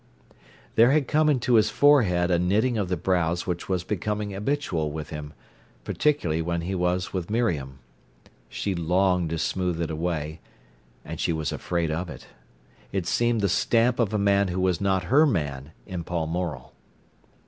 There had come into his forehead a knitting of the brows which was becoming habitual with him, particularly when he was with Miriam. She longed to smooth it away, and she was afraid of it. It seemed the stamp of a man who was not her man in Paul Morel.